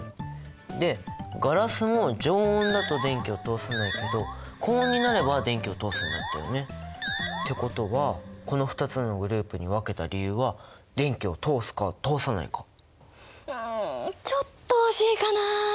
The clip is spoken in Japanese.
でガラスも常温だと電気を通さないけど高温になれば電気を通すんだったよね。ってことはこの２つのグループに分けた理由はうんちょっと惜しいかな。